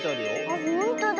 あっほんとだ。